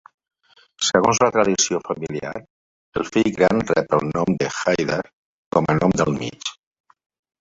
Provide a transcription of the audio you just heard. Segons la tradició familiar, el fill gran rep el nom de "Haydar" com a nom del mig.